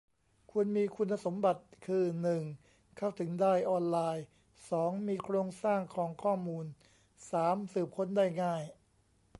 ควรมีคุณสมบัติคือ หนึ่ง เข้าถึงได้ออนไลน์ สอง มีโครงสร้างของข้อมูล สาม สืบค้นได้ง่าย